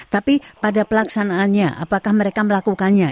tapi pada pelaksanaannya apakah mereka melakukannya